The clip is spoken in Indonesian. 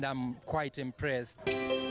dan saya sangat terkejut